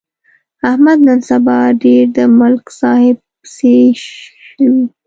احمد نن سبا ډېر د ملک صاحب پسې شوی.